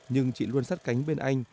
nhưng chị luôn sắt cánh bên anh